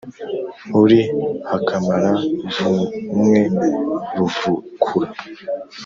uri akamara vumwe, ruvukura